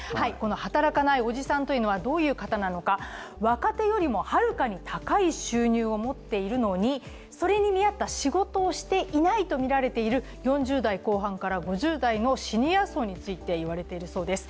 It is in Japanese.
働かないおじさんというのはどういう方なのか若手よりもはるかに高い収入を持っているのにそれに見合った仕事をしていないとみられている４０代後半から５０代のシニア層について言われているそうです。